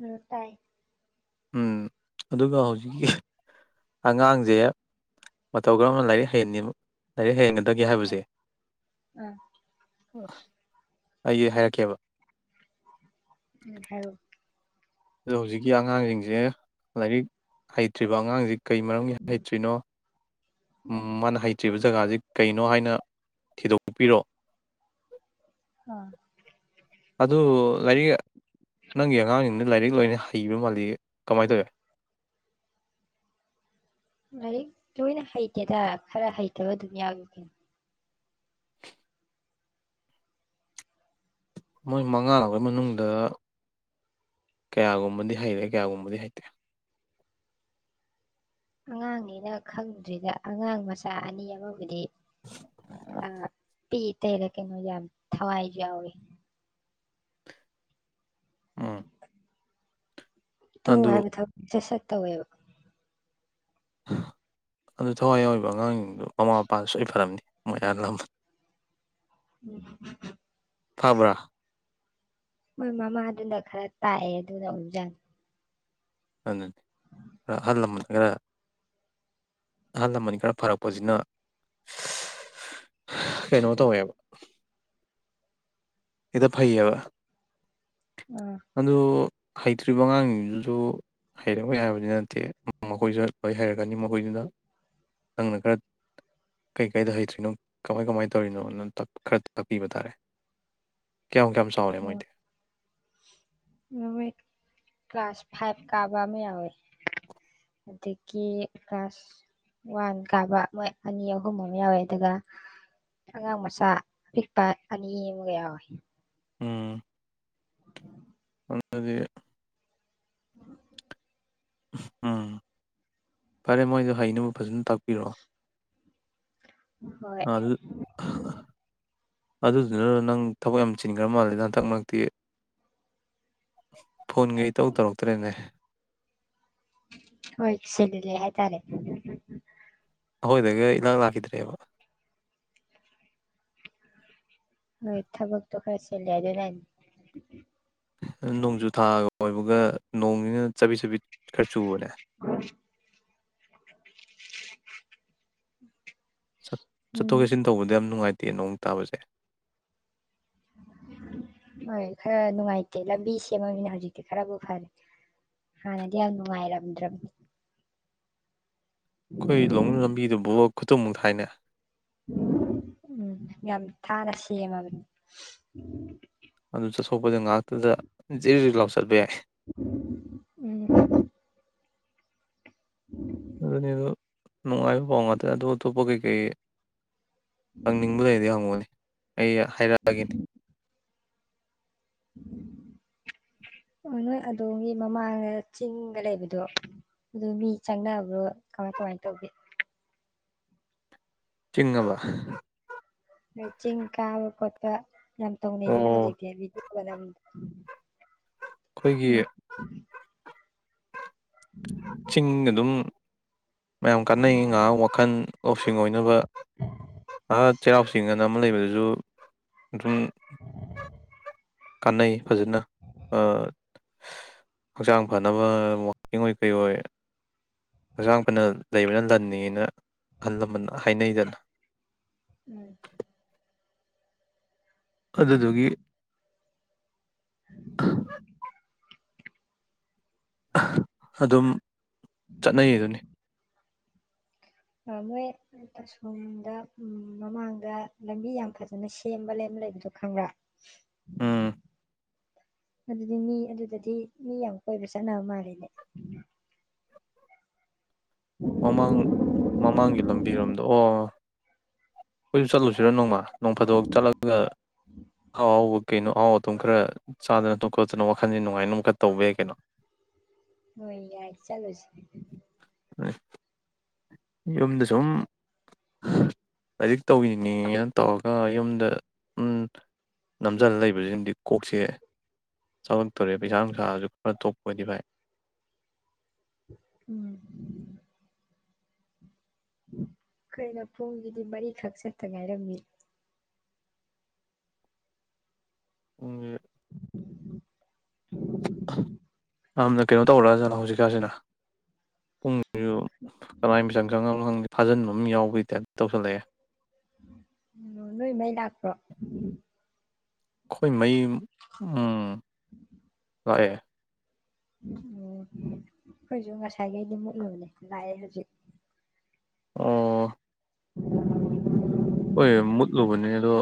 ꯎꯝ ꯇꯥꯏ ꯎꯝ ꯑꯗꯨꯒ ꯍꯧꯖꯤꯛꯀꯤ ꯑꯉꯥꯡꯁꯦ ꯃꯇꯧ ꯀꯔꯝꯅ ꯂꯥꯏꯔꯤꯛ ꯍꯩꯟꯅꯤ ꯂꯥꯏꯔꯤꯛ ꯍꯩꯍꯟꯒꯗꯒꯦ ꯍꯥꯏꯕꯁꯦ ꯑꯥ ꯑꯥ ꯑꯩ ꯍꯥꯏꯔꯛꯀꯦꯕ ꯎ ꯍꯔꯣ ꯑꯣ ꯍꯧꯖꯤꯛꯀꯤ ꯑꯉꯥꯡꯁꯤꯡꯁꯦ ꯂꯥꯏꯔꯤꯛ ꯍꯩꯇ꯭ꯔꯤꯕ ꯑꯉꯥꯡꯁꯤ ꯀꯩ ꯃꯔꯝꯒꯤ ꯍꯩꯇ꯭ꯔꯤꯅꯣ ꯃꯥꯅ ꯍꯩꯇ꯭ꯔꯤꯕ ꯖꯒꯥꯁꯤ ꯀꯩꯅꯣ ꯍꯥꯏꯅ ꯊꯤꯗꯣꯛꯄꯤꯔꯣ ꯑꯥ ꯑꯗꯨ ꯂꯥꯏꯔꯤꯛ ꯅꯪꯒꯤ ꯑꯉꯥꯡꯁꯤꯡꯅ ꯂꯥꯏꯔꯤꯛ ꯂꯣꯏꯅ ꯍꯩꯕ ꯃꯥꯜꯂꯤ ꯀꯃꯥꯏꯅ ꯇꯧꯔꯤꯅꫭ ꯂꯥꯏꯔꯤꯛ ꯂꯣꯏꯅ ꯍꯩꯇꯦꯗ ꯈꯔ ꯍꯩꯇꯕ ꯑꯗꯨꯝ ꯌꯥꯎꯋꯤ ꯃꯣꯏ ꯃꯉꯥꯈꯩ ꯃꯅꯨꯡꯗ ꯀꯌꯥꯒꯨꯝꯕꯗꯤ ꯍꯩꯔꯦ ꯀꯌꯥꯒꯨꯝꯕꯗꯤ ꯍꯩꯇꯦ ꯑꯉꯥꯡꯅꯤꯅ ꯈꯪꯗꯗ꯭ꯔꯤꯗ ꯑꯉꯥꯡ ꯃꯆꯥ ꯑꯅꯤ ꯑꯃꯕꯨꯗꯤ ꯇꯤ ꯇꯩꯔ ꯀꯩꯅꯣ ꯌꯥꯝ ꯊꯋꯥꯏꯁꯨ ꯌꯥꯎꯏꯤ ꯎꯝ ꯇꯧ ꯑꯗꯨ ꯍꯥꯏꯕ ꯊꯕꯛꯁꯦ ꯁꯠ ꯇꯧꯋꯦꯕ ꯑꯗꯨ ꯊꯋꯥꯏ ꯌꯥꯎꯕ ꯑꯉꯥꯡꯁꯤꯡ ꯑꯣ ꯃꯃꯥ ꯃꯄꯥꯗꯨ ꯁꯣꯏ ꯐꯔꯝꯅꯤ ꯃꯣꯌꯥꯂꯝꯐ ꯐꯕ꯭ꯔꯥ [unintelligible] ꯃꯣꯏ ꯃꯃꯥꯗꯨꯅ ꯈꯔ ꯇꯥꯛꯑꯦ ꯑꯗꯨꯅ ꯑꯣꯏꯖꯥꯠ ꯑꯗꯨꯅꯤ ꯈꯔ ꯑꯍꯜ ꯂꯃꯟ ꯈꯔ ꯑꯍꯜ ꯂꯃꯟ ꯈꯔ ꯐꯔꯛꯄꯁꯤꯅ ꯀꯩꯅꯣ ꯇꯧꯋꯦꯕ ꯏꯗ ꯐꯩꯌꯦꯕ ꯑꯥ ꯑꯗꯨ ꯍꯩꯇ꯭ꯔꯤꯕ ꯑꯉꯥꯡꯖꯤꯡꯗꯨꯖꯨ ꯍꯩꯔꯛꯑꯣꯏ ꯍꯥꯏꯕꯗꯤ ꯅꯠꯇꯦ ꯃꯈꯣꯏꯖꯨ ꯂꯣꯏ ꯍꯩꯔꯛꯀꯅꯤ ꯃꯈꯣꯏꯖꯨ ꯅ ꯅꯪꯅ ꯈꯔ ꯀꯩꯀꯩꯗ ꯍꯩꯇ꯭ꯔꯤꯅꯣ ꯀꯃꯥꯏ ꯀꯃꯥꯏ ꯇꯧꯔꯤꯅꯣꯅ ꯇ ꯈꯔ ꯇꯥꯛꯄꯤꯕ ꯇꯥꯔꯦ꯫ ꯀꯌꯥꯝ ꯀꯌꯥꯝ ꯆꯥꯎꯔꯦ ꯑꯣ ꯃꯣꯏꯗꯤ ꯃꯣꯏ ꯀ꯭ꯂꯥꯁ ꯐꯥꯏꯚ ꯀꯥꯕ ꯑꯃ ꯌꯥꯎꯋꯦ ꯑꯗꯒꯤ ꯀ꯭ꯂꯥꯁ ꯋꯥꯟ ꯀꯥꯕ ꯃꯣꯏ ꯑꯅꯤ ꯑꯍꯨꯝ ꯑꯃ ꯌꯥꯎꯋꯦ ꯑꯗꯨꯒ ꯑꯉꯥꯡ ꯃꯆꯥ ꯑꯄꯤꯛꯄ ꯑꯅꯤ ꯑꯃꯒ ꯌꯥꯎꯋꯦ꯫ ꯎꯝ ꯑꯗꯨꯗꯤ ꯎꯝ ꯐꯔꯦ ꯃꯣꯏꯗꯣ ꯍꯩꯅꯕ ꯐꯖꯅ ꯇꯥꯛꯄꯤꯔꯛꯑꯣ꯫ ꯍꯣꯏ꯫ ꯑꯗꯨꯗꯨꯅꯔꯣ ꯅꯪ ꯊꯕꯛ ꯌꯥꯝ ꯆꯤꯟꯒ꯭ꯔ ꯃꯥꯜꯂꯦꯗ ꯍꯟꯇꯛ ꯃꯔꯛꯇꯤ ꯐꯣꯟꯒ ꯏꯇꯧ ꯇꯧꯔꯛꯇ꯭ꯔꯦꯅꯦ꯫ ꯍꯣꯏ ꯆꯤꯜꯂꯦ ꯍꯥꯏ ꯇꯥꯔꯦ꯫ ꯑꯈꯣꯏꯗꯒ ꯏꯂꯥꯛ ꯂꯥꯛꯈꯤꯗ꯭ꯔꯦꯕ꯫ ꯍꯣꯏ ꯊꯕꯛꯇꯣ ꯈꯔ ꯆꯤꯜꯂꯦ ꯑꯗꯨꯅꯅꯤ꯫ ꯅꯣꯡꯖꯨ ꯊꯥꯒ ꯑꯣꯏꯕꯒ ꯅꯣꯡꯖꯤꯅ ꯆꯕꯤꯠ ꯆꯕꯤꯠ ꯈꯔ ꯆꯨꯕꯅꯦ ꯆꯠ ꯆꯠꯊꯣꯛ ꯎꯝ ꯆꯠꯁꯤꯟ ꯇꯧꯕꯗ ꯌꯥꯝ ꯅꯨꯡꯉꯥꯏ ꯇꯦ ꯅꯣꯡ ꯇꯥꯕꯖꯦ ꯍꯣꯏ ꯈꯔ ꯅꯨꯡꯉꯥꯏꯇꯦ ꯂꯝꯕꯤ ꯁꯦꯝꯃꯝꯅꯤꯅ ꯍꯧꯖꯤꯛꯇꯤ ꯈꯔꯕꯨ ꯐꯔꯦ ꯍꯥꯟꯅꯗꯤ ꯌꯥꯝ ꯅꯨꯡꯉꯥꯏꯔꯝꯗ꯭ꯔꯝ꯫ ꯑꯈꯣꯏ [unintelligible] ꯂꯝꯕꯤꯗꯨ [unintelligible] ꯈꯨꯇꯨꯝꯃꯨꯛ ꯊꯥꯏꯅꯦ꯫ ꯎꯝ ꯌꯥꯝ ꯊꯥꯅ ꯁꯦꯝꯃꯕꯅꯤ꯫ ꯑꯗꯨ ꯆꯠꯊꯣꯛꯄꯗ ꯉꯥꯏꯍꯥꯛꯇꯗ [unintelligible] ꯎꯝ [unintelligible] ꯑꯗꯨꯅꯤꯗꯨ ꯅꯨꯡꯉꯥꯏꯕ ꯄꯥꯎ ꯉꯥꯛꯇꯅꯤ ꯑꯗꯨ ꯑꯇꯣꯞꯄ ꯀꯩꯀꯩ ꯍꯪꯅꯤꯡꯕ ꯂꯩꯔꯗꯤ ꯍꯪꯉꯨꯅꯦ ꯑꯩ ꯍꯥꯏꯔꯛꯑꯒꯦꯅꯦ ꯑꯣ ꯅꯣꯏ ꯑꯗꯣꯝꯒꯤ ꯃꯃꯥꯡꯒ ꯆꯤꯡꯒ ꯂꯩꯕꯗꯣ ꯑꯗꯨ ꯃꯤ ꯆꯪꯅꯕ꯭ꯔꯣ ꯀꯃꯥꯏ ꯀꯃꯥꯏ ꯇꯧꯒꯦ ꯆꯤꯡ ꯑꯕ ꯆꯤꯡ ꯀꯥꯕ ꯈꯣꯠꯄ ꯌꯥꯝ ꯇꯧꯅꯩꯗꯅ ꯑꯣ ꯍꯧꯖꯤꯛꯇꯤ [unintelligible] ꯑꯈꯣꯏꯒꯤ ꯎꯝ ꯆꯤꯡ ꯑꯗꯨꯝ ꯃꯌꯥꯝ ꯀꯥꯅꯩ ꯉꯥꯏꯍꯥꯛ ꯋꯥꯈꯟ ꯂꯧꯁꯤꯡ ꯑꯣꯏꯅꯕ ꯑꯥ ꯆꯩꯔꯥꯎꯆꯤꯡ ꯑꯅ ꯑꯃ ꯂꯩꯕꯗꯁꯨ ꯑꯗꯨꯝ ꯀꯥꯟꯅꯩ ꯐꯖꯅ ꯑꯥ ꯍꯛꯆꯥꯡ ꯐꯅꯕ ꯋꯀꯤꯡ ꯑꯣꯏ ꯀꯩ ꯑꯣꯏ ꯍꯛꯆꯥꯡ ꯐꯅ ꯂꯩꯕꯅ ꯂꯟꯅꯤꯅ ꯑꯍꯜ ꯂꯃꯟ ꯍꯥꯏꯅꯩꯗꯅ ꯎꯝ ꯑꯗꯨꯗꯨꯒꯤ ꯑꯗꯨꯝ ꯆꯠꯅꯩ ꯑꯗꯨꯅꯤ ꯑꯃꯣꯏ ꯑꯁꯣꯝꯗ ꯎꯝ ꯃꯃꯥꯡꯗ ꯂꯝꯕꯤ ꯌꯥꯝ ꯐꯖꯅ ꯁꯦꯝꯕ ꯑꯃ ꯂꯩꯕꯗꯣ ꯈꯪꯕ꯭ꯔꯥ ꯎꯝ ꯑꯗꯨꯗꯤ ꯃꯤ ꯑꯗꯨꯗꯗꯤ ꯃꯤ ꯌꯥꯝ ꯀꯣꯏꯕ ꯆꯠꯅꯕ ꯃꯥꯜꯂꯤꯅꯦ ꯃꯃꯥꯡ ꯃꯥꯡꯒꯤ ꯂꯝꯕꯤꯔꯣꯝꯗꯣ ꯑꯣ ꯈꯣꯏꯁꯨ ꯆꯠꯂꯨꯁꯤꯔꯣ ꯅꯣꯡꯃ ꯅꯣꯡꯐꯥꯗꯣꯛ ꯆꯠꯂꯒ ꯑꯍꯥꯎ ꯑꯍꯥꯎꯕ ꯀꯩꯅꯣ ꯑꯍꯥꯎꯑꯊꯨꯝ ꯈꯔ ꯆꯥꯗꯅ ꯈꯣꯠꯇꯅ ꯋꯥꯈꯜ ꯁꯦ ꯅꯨꯡꯉꯥꯏꯅꯕ ꯈꯔ ꯇꯧꯕ ꯌꯥꯏ ꯀꯩꯅꯣ ꯍꯣꯏ ꯌꯥꯏ ꯆꯠꯂꯨꯁꯤ ꯌꯨꯝꯗꯁꯨꯝ ꯂꯥꯏꯔꯤꯛ ꯇꯧꯔꯤꯅꯦꯅ ꯇꯧꯔꯒ ꯌꯨꯝꯗ ꯎꯝ ꯅꯝꯖꯜꯂ ꯂꯩꯕꯁꯤꯅꯗꯤ ꯀꯣꯛ ꯁꯦ ꯆꯥꯛꯂꯛꯇꯣꯔꯦ ꯄꯩꯁꯥ ꯅꯨꯡꯁꯥꯁꯨ ꯈꯔ ꯊꯣꯛꯄ ꯑꯣꯏꯗꯤ ꯐꯩ ꯎꯝ ꯀꯩꯅꯣ ꯄꯨꯡꯁꯤꯗꯤ ꯃꯔꯤ ꯈꯛ ꯆꯠꯇ ꯉꯥꯏꯔꯝꯃꯤ ꯄꯨꯡꯁꯤ ꯌꯥꯝꯅ ꯀꯩꯅꯣ ꯇꯧꯔꯛꯑꯖꯥꯠꯂ ꯍꯧꯖꯤꯛ ꯀꯥꯟꯁꯤꯅ ꯄꯨꯡꯁꯤꯖꯨ ꯀꯅꯥꯏ ꯃꯤꯆꯪ ꯆꯪꯉꯕꯅꯣ ꯈꯪꯗꯦ ꯐꯖꯟꯕ ꯃ ꯌꯥꯎꯕꯩ ꯇꯥꯏꯞ ꯇꯧꯁꯜꯂꯛ ꯑꯦ ꯅꯣꯏ ꯃꯩ ꯂꯥꯛꯄ꯭ꯔꯣ ꯈꯣꯏ ꯃꯩ ꯎꯝ ꯂꯥꯛ ꯑꯦ ꯑꯣ ꯑꯈꯣꯏꯁꯨ ꯉꯥꯁꯥꯏꯒꯩꯗꯤ ꯃꯨꯠꯂꯨꯕꯅꯦ ꯂꯥꯛꯑꯦ ꯍꯧꯖꯤꯛ ꯑꯣ [unintelligible] ꯑꯈꯣꯏꯁꯨ ꯃꯨꯠꯂꯨꯕꯅꯦ ꯑꯗꯣ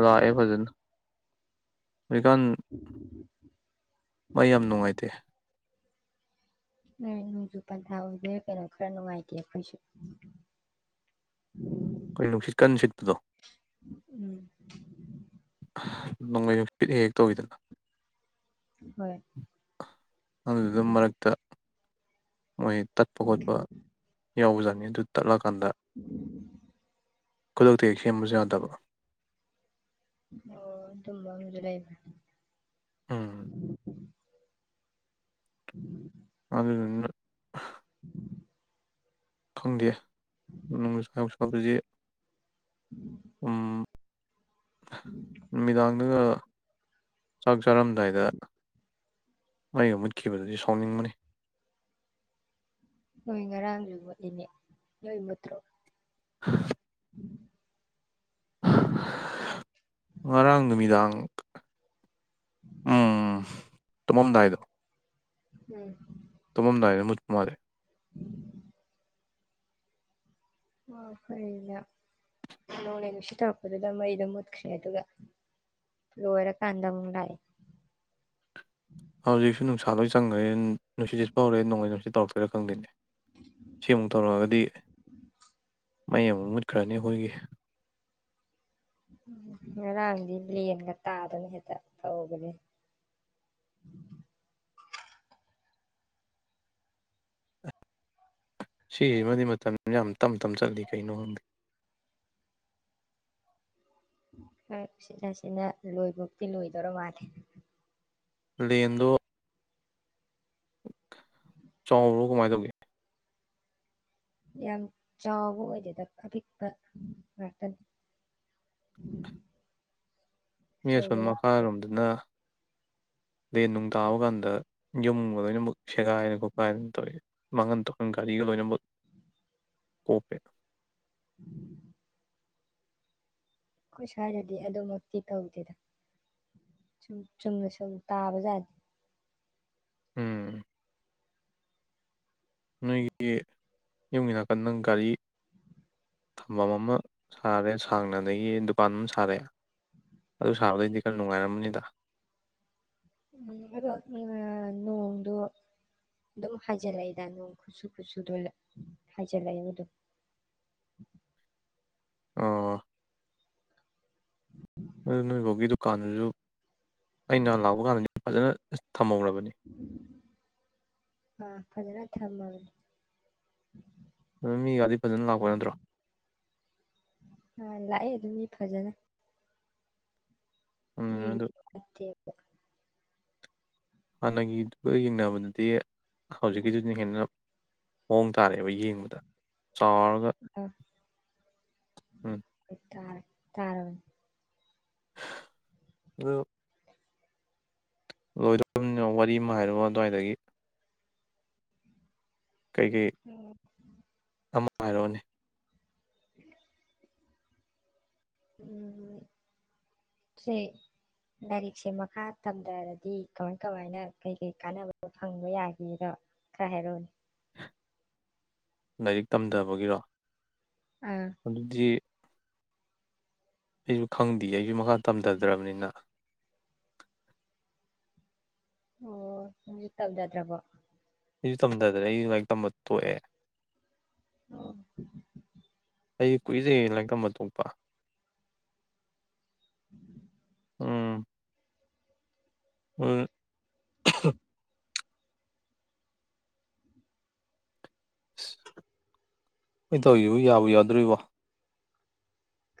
ꯂꯥꯛꯑꯦ ꯐꯖꯅ ꯍꯧꯖꯤꯛꯀꯥꯟ ꯃꯩ ꯌꯥꯝ ꯅꯨꯡꯉꯥꯏꯇꯦ ꯅꯣꯡꯖꯨ ꯄꯥꯟꯊꯥ ꯑꯣꯏꯕꯩꯔ ꯀꯩꯅꯣ ꯈꯔ ꯅꯨꯡꯉꯥꯏꯇꯦ ꯑꯈꯣꯏꯁꯨ ꯈꯣꯏ ꯅꯨꯡꯁꯤ ꯀꯟ ꯁꯤꯠꯄꯗꯣ ꯎꯝ ꯅꯣꯡꯂꯩ ꯅꯨꯡꯁꯤꯠ ꯍꯦꯛ ꯍꯦꯛ ꯇꯧꯏꯗꯅ ꯍꯣꯏ ꯅꯪꯁꯨꯗꯨꯝ ꯃꯔꯛꯇ ꯃꯣꯏꯒꯤ ꯇꯠꯄ ꯉꯣꯠꯄ ꯌꯥꯎꯕ ꯖꯥꯠꯅꯤ ꯗꯨ ꯇꯠꯂ [unintelligible] ꯈꯨꯗꯛꯇ ꯍꯦꯛ ꯁꯦꯝꯕꯁꯨ ꯌꯥꯗꯕꯣ ꯑꯣ ꯑꯗꯨꯝꯕꯥ ꯑꯃꯁꯨ ꯂꯩꯕꯔ꯭ ꯎꯝ [unintelligible] ꯑꯗꯨꯗꯨꯅ [unintelligible] ꯈꯪꯗꯦ [unintelligible] ꯎꯝ ꯅꯨꯃꯤꯗꯥꯡꯗꯒ ꯆꯥꯛ ꯆꯥꯔꯝꯗꯥꯏꯗ ꯃꯩꯒꯥ ꯃꯨꯠꯈꯤꯕꯗꯨꯗꯤ ꯁꯥꯎꯅꯤꯡꯕꯅꯤ ꯑꯈꯣꯏ ꯉꯔꯥꯡꯁꯨ ꯃꯨꯠꯂꯤꯅꯦ ꯅꯣꯏ ꯃꯨꯠꯇꯔꯣ [unintelligible] [unintelligible] ꯉꯔꯥꯡ ꯅꯨꯃꯤꯗꯥꯡ ꯎꯝ ꯇꯨꯃꯝꯗꯥꯏꯗ ꯎꯝ ꯇꯨꯃꯝꯗꯥꯏꯗ ꯃꯨꯠꯄ ꯃꯥꯜꯂꯤ [unintelligible] ꯅꯣꯡꯂꯩ ꯅꯨꯡꯁꯤꯠ ꯇꯧꯔꯛꯄꯗꯨꯗꯥ ꯃꯩꯗꯣ ꯃꯨꯠꯈꯔ꯭ꯦ ꯑꯗꯨꯒ ꯂꯣꯏꯔꯀꯥꯟꯗ ꯑꯃꯨꯛ ꯂꯥꯛꯏ ꯍꯧꯖꯤꯛꯁꯨ ꯅꯨꯡꯁꯥ ꯂꯣꯏ ꯆꯪ [unintelligible] ꯅꯨꯡꯁꯤꯠ ꯁꯤꯠꯄꯥ ꯍꯧꯔꯛ ꯑ ꯅꯣꯡꯂꯩ ꯅꯨꯡꯁꯤꯠ ꯇꯧꯔꯛꯇꯣꯏꯔꯥ ꯈꯡꯗꯦꯅꯦ ꯁꯤ ꯑꯃꯨꯛ ꯇꯧꯔꯛ ꯑꯒꯗꯤ ꯃꯩ ꯑꯃꯨꯛ ꯃꯨꯠꯈꯔꯥꯅꯤ ꯑꯈꯣꯏꯒꯤ ꯉꯔꯥꯡꯗꯤ ꯂꯦꯟꯒ ꯇꯥꯗꯅ ꯍꯦꯛ ꯇ ꯇꯧꯕꯅꯦ ꯁꯤꯁꯤꯃꯗꯤ ꯃꯇꯝꯁꯤ ꯌꯥꯝ ꯇꯝꯇꯝ ꯆꯠꯂꯤ ꯀꯩꯒꯤꯅꯣ ꯈꯪꯗꯦ ꯎꯆꯤꯟ ꯅꯥꯆꯤꯟꯅ ꯂꯣꯏꯕꯥꯎꯗꯤ ꯂꯣꯏꯗꯣꯔ ꯃꯥꯜꯂꯦ ꯂꯦꯟꯗꯣ ꯆꯥꯎꯕꯔꯣ ꯀꯃꯥꯏ ꯇꯧꯒꯦ ꯌꯥꯝ ꯆꯥꯎꯕ ꯑꯣꯏꯗꯦꯗꯥ ꯑꯄꯤꯛꯄ ꯉꯥꯛꯇꯅꯤ ꯃꯤ ꯑꯥꯁꯣꯝ ꯑꯆꯧꯕ ꯌꯥꯎꯗꯦ ꯃꯈꯥꯔꯣꯝꯗꯅ ꯂꯦꯟ ꯅꯨꯡ ꯇꯥꯕꯥꯀꯟꯗ ꯌꯨꯝꯒ ꯂꯣꯏꯅꯃꯛ ꯁꯦꯒꯥꯏꯔꯦ ꯈꯣꯠꯀꯥꯏꯗꯅ ꯇꯧꯏꯁꯦ ꯃꯥꯡꯍꯟꯕ ꯊꫭꯛꯍꯟ ꯒꯥꯔꯤꯒ ꯂꯣꯏꯅꯃꯛ ꯀꯣꯞꯄꯦ [unintelligible] ꯑꯈꯣꯏ ꯁꯋꯥꯏꯗꯗꯤ ꯑꯗꯨꯃꯛꯇꯤ ꯇꯧꯗꯦꯗ ꯁꯨꯝ ꯆꯨꯝꯅ ꯁꯨꯝ ꯇꯥꯕꯖꯥꯠꯅꯤ ꯎꯝ ꯅꯣꯏꯒꯤ ꯌꯨꯝꯒꯤ ꯅꯥꯀꯟꯗ ꯒꯥꯔꯤ ꯊꯝꯕꯝ ꯑꯃ ꯁꯥꯒꯔꯦ ꯁꯥꯡꯅ ꯑꯗꯒꯤ ꯗꯨꯀꯥꯟ ꯑꯃ ꯁꯥꯔꯦ ꯑꯗꯨ ꯁꯥꯕꯗꯩꯗꯤ ꯈꯔ ꯅꯨꯉꯥꯏꯔꯝꯃꯅꯤꯗ ꯎꯝ ꯑꯗꯣ ꯅꯣꯡꯗꯣ ꯑꯗꯨꯝ ꯍꯥꯏꯖꯤꯜꯂꯛꯏꯗ ꯅꯣꯡ ꯈꯨꯆꯨ ꯈꯨꯆꯨꯗꯣ ꯍꯥꯏꯖꯤꯜꯂꯛꯏꯗ ꯑꯗꯨꯝ ꯑꯣ ꯑꯗꯨ ꯅꯣꯏ ꯕꯣꯛꯀꯤ ꯗꯨꯀꯥꯟꯗꯨꯖꯨ ꯑꯩꯅ ꯅꯍꯥꯟ ꯂꯥꯛꯄꯀꯥꯟꯗ ꯐꯖꯅ ꯊꯝꯃꯧꯔꯕꯅꯤ ꯎꯝ ꯐꯖꯅ ꯊꯝꯃꯕꯅꯤ ꯑꯗꯨ ꯃꯤꯒꯥꯗꯤ ꯐꯖꯅ ꯂꯥꯛꯄ ꯅꯠꯇꯔꯣ ꯂꯥꯛꯏ ꯑꯗꯨꯝ ꯃꯤ ꯐꯖꯅ ꯎꯝ ꯑꯗꯨ [unintelligible] [unintelligible] ꯍꯥꯟꯅꯒꯤꯗꯨꯒ ꯌꯦꯡꯅꯕꯗꯗꯤ ꯍꯧꯖꯤꯛꯀꯤꯗꯨꯅ ꯍꯦꯟꯅ ꯃꯑꯣꯡ ꯇꯥꯔꯦꯕ ꯌꯦꯡꯕꯗ ꯆꯥꯎꯔꯒ ꯎꯪ ꯇꯥꯔ ꯇꯥꯔꯕꯣ [unintelligible] ꯂꯣꯏꯔꯕꯅꯤꯅ ꯋꯥꯔꯤ ꯑꯃ ꯍꯥꯏꯔꯛ ꯑꯣ ꯑꯗꯥꯏꯗꯒꯤ [inaudible] ꯍꯥꯏꯔꯛ ꯑꯣꯅꯦ ꯑꯩ ꯂꯥꯏꯔꯤꯛꯁꯦ ꯃꯈꯥ ꯇꯝꯊꯔꯗꯤ ꯀꯃꯥꯏ ꯀꯃꯥꯏꯅ ꯀꯩ ꯀꯩ ꯀꯥꯟꯅꯕꯣ ꯐꯪꯕ ꯌꯥꯒꯦꯔ ꯈꯔ ꯍꯥꯏꯔꯛꯑꯣꯅꯦ ꯂꯥꯏꯔꯤꯛ ꯇꯝꯗꯕꯒꯤꯔꯣ ꯑꯥ ꯑꯗꯨꯗꯤ ꯑꯩꯁꯨ ꯈꯪꯗꯦ ꯑꯩꯁꯨ ꯃꯈꯥ ꯇꯝꯊꯗ꯭ꯔꯕꯅꯤꯅ ꯑꯣ ꯅꯪꯖꯨ ꯇꯝꯗꯗ꯭ꯔꯕꯣ ꯑꯩꯁꯨ ꯇꯝꯗꯗ꯭ꯔꯦ ꯑꯩꯁꯨ ꯂꯥꯏꯔꯤꯛ ꯇꯝꯕ ꯇꯣꯛ ꯑ ꯑꯣ ꯐꯩ ꯀꯨꯏꯔꯦ ꯀꯧꯅꯣ ꯂꯥꯏꯔꯤꯛ ꯇꯝꯕ ꯇꯣꯛꯄ ꯎꯝ꯫ ꯎꯝ꯫ ꯑꯩꯈꯣꯏ ꯇꯧꯔꯤꯁꯤꯕꯨ ꯌꯥꯕꯨ ꯌꯥꯗꯧꯔꯤꯕꯣ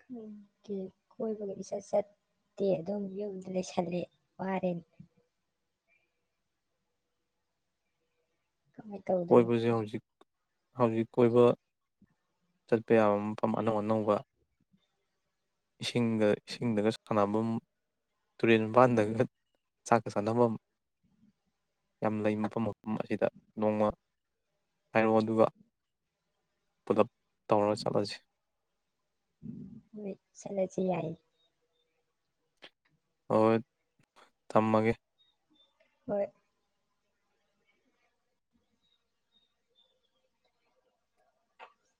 ꯈꯪꯗꯦ ꯀꯣꯏꯕꯒ ꯏꯆꯠ ꯆꯠꯇꯦ ꯑꯗꯨꯝ ꯌꯨꯝꯗ ꯂꯩꯁꯟꯂꯦ ꯋꯥꯔꯦꯅꯦ ꯀꯃꯥꯏ ꯇꯧꯗꯣꯏꯅꯣ ꯀꯣꯏꯕꯁꯦ ꯍꯧꯖꯤꯛ ꯍꯧꯖꯤꯛ ꯀꯣꯏꯕ ꯆꯠꯄ ꯌꯥꯕ ꯃꯐꯝ ꯑꯅꯧ ꯑꯅꯧꯕ ꯏꯁꯤꯡꯗꯒ ꯁꯥꯅꯕꯝ ꯇꯨꯔꯦꯜ ꯃꯄꯥꯜꯗꯒ ꯆꯥꯛꯀ ꯆꯥꯅꯕꯝ ꯌꯥꯝ ꯂꯩ ꯃꯐꯝ ꯃꯐꯝ ꯑꯁꯤꯗ ꯅꯣꯝꯃ ꯍꯥꯏꯔꯛ ꯑꯣ ꯑꯗꯨꯒ ꯄꯨꯂꯞ ꯇꯧꯔꯒ ꯆꯠꯂꯁꯤ ꯆꯠꯂꯁꯦ ꯌꯥꯏ ꯌꯦ ꯍꯣꯏ ꯍꯣꯏ ꯊꯝꯃꯒꯦ ꯍꯣꯏ